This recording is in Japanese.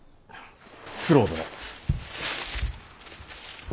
九郎殿。